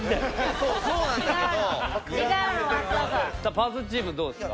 パズチームどうですか？